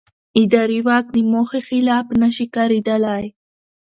اداري واک د موخې خلاف نه شي کارېدلی.